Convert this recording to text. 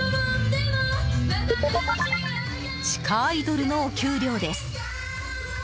地下アイドルのお給料です。